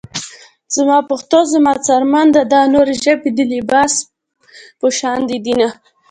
زما پښتو زما څرمن ده - دا نورې ژبې د لباس په شاندې دينه